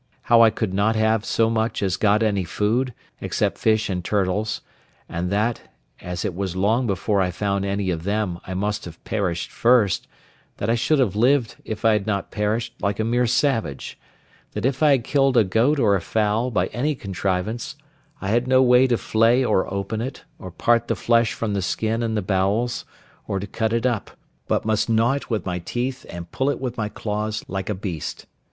How I could not have so much as got any food, except fish and turtles; and that, as it was long before I found any of them, I must have perished first; that I should have lived, if I had not perished, like a mere savage; that if I had killed a goat or a fowl, by any contrivance, I had no way to flay or open it, or part the flesh from the skin and the bowels, or to cut it up; but must gnaw it with my teeth, and pull it with my claws, like a beast.